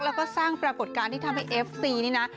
แล้วก็สร้างปรากฏการณ์ที่ทำให้เอฟซีนี่นะ